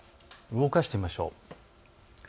動かしてみましょう。